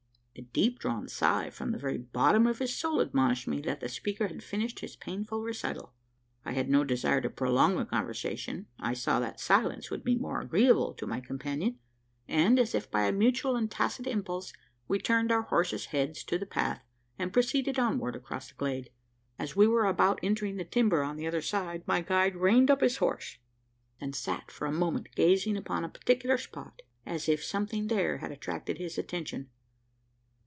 A deep drawn sigh, from the very bottom of his soul, admonished me that the speaker had finished his painful recital. I had no desire to prolong the conversation. I saw that, silence would be more agreeable to my companion; and, as if by a mutual and tacit impulse, we turned our horses' heads to the path, and proceeded onward across the glade. As we were about entering the timber on the other side, my guide reined up his horse; and sat for a moment gazing upon a particular spot as if something there had attracted his attention.